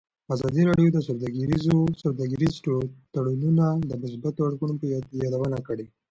ازادي راډیو د سوداګریز تړونونه د مثبتو اړخونو یادونه کړې.